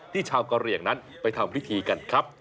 ชาวกะเหลี่ยงนั้นไปทำพิธีกันครับ